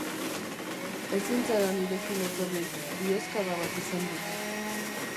Ezin zara nirekin etorri, bihozkada bat izan dut.